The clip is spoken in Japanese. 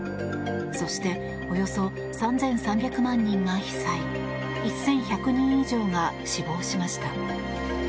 そしておよそ３３００万人が被災１１００人以上が死亡しました。